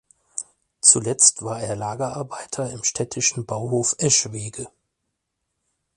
Zuletzt war er Lagerarbeiter im städtischen Bauhof Eschwege.